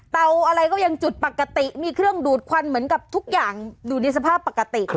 อะไรก็ยังจุดปกติมีเครื่องดูดควันเหมือนกับทุกอย่างอยู่ในสภาพปกติ